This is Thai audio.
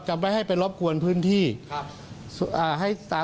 กลับไปให้ไปรบกวนพื้นที่